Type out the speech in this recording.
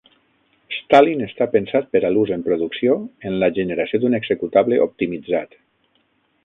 Stalin està pensat per a l'ús en producció en la generació d'un executable optimitzat.